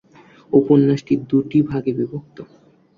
উপন্যাসটি দুটি ভাগে বিভক্ত।